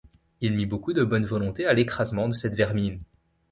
Il mit beaucoup de bonne volonté à l’écrasement de cette vermine.